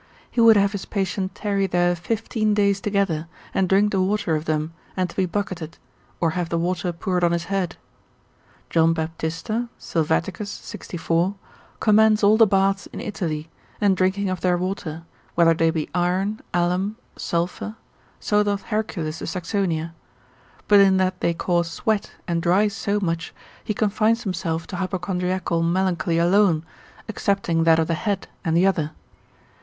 He would have his patient tarry there fifteen days together, and drink the water of them, and to be bucketed, or have the water poured on his head. John Baptista, Sylvaticus cont. 64. commends all the baths in Italy, and drinking of their water, whether they be iron, alum, sulphur; so doth Hercules de Saxonia. But in that they cause sweat and dry so much, he confines himself to hypochondriacal melancholy alone, excepting that of the head and the other.